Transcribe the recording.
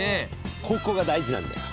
ここが大事なんだよ。